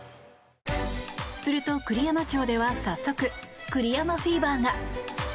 すると、栗山町では早速栗山フィーバーが。